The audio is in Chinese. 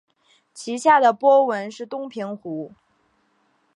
其下的波纹是东平湖。